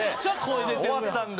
終わったんで。